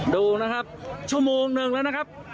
ดูนะครับชั่วโมงหนึ่งแล้วนะครับ